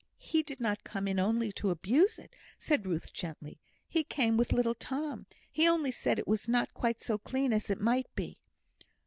"He did not come in only to abuse it," said Ruth, gently. "He came with little Tom; he only said it was not quite so clean as it might be."